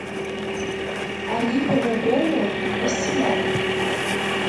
Ари бара боума, Расинда?